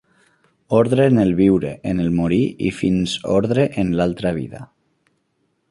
Ordre en el viure, en el morir, i fins ordre en l'altra vida.